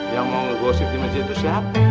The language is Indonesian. yang mau ngegosip di masjid itu siapa